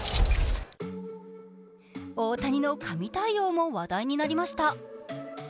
大谷の神対応も話題になりました。